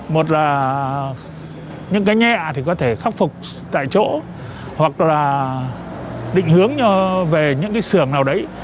một là những cái nhẹ thì có thể khắc phục tại chỗ hoặc là định hướng về những cái xưởng nào đấy